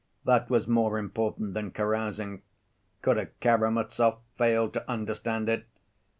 That was more important than carousing. Could a Karamazov fail to understand it?